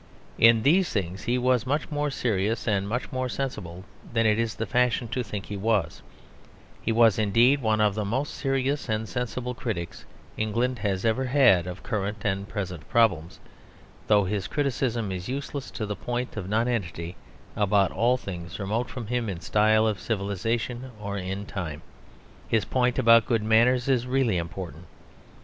In these things he was much more serious and much more sensible than it is the fashion to think he was; he was indeed one of the most serious and sensible critics England ever had of current and present problems, though his criticism is useless to the point of nonentity about all things remote from him in style of civilisation or in time. His point about good manners is really important.